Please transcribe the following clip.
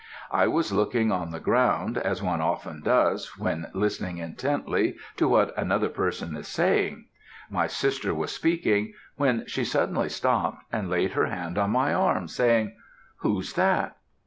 I was looking on the ground, as one often does, when listening intently to what another person is saying; my sister was speaking, when she suddenly stopped, and laid her hand on my arm, saying, 'Who's that?'